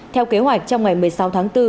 theo kế hoạch trong ngày một mươi sáu tháng